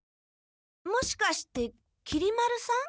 もしかしてきり丸さん？